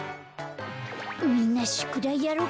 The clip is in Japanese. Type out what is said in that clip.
みんなしゅくだいやろうか。